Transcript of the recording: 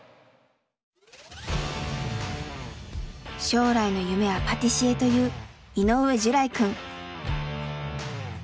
将来の夢はパティシエという井上樹来くん。